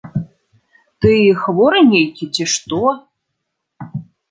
Ты хворы нейкі, ці што?